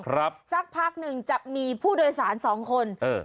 สักพักหนึ่งจะมีผู้โดยสารสองคนเออ